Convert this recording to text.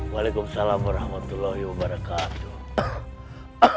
waalaikumsalam warahmatullahi wabarakatuh